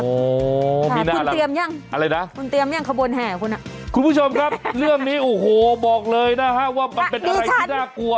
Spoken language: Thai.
โอ้โหคุณเตรียมยังอะไรนะคุณเตรียมยังขบวนแห่คุณอ่ะคุณผู้ชมครับเรื่องนี้โอ้โหบอกเลยนะฮะว่ามันเป็นอะไรที่น่ากลัว